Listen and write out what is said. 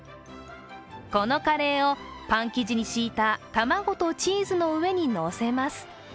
このカレーをパン生地に敷いた卵とチーズの上にのせます。